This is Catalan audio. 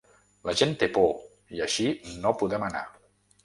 La gent té por i així no podem anar.